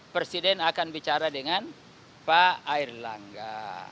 presiden akan bicara dengan pak erlangga